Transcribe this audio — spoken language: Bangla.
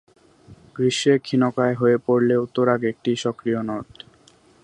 গ্রীষ্মে ক্ষীণকায় হয়ে পড়লেও তুরাগ একটি সক্রিয় নদ।